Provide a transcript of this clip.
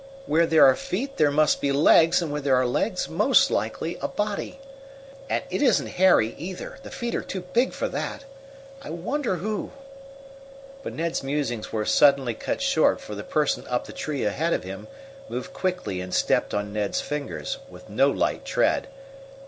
Where there are feet there must be legs, and where there are legs, most likely a body. And it isn't Harry, either! The feet are too big for that. I wonder " But Ned's musings were suddenly cut short, for the person up the tree ahead of him moved quickly and stepped on Ned's fingers, with no light tread.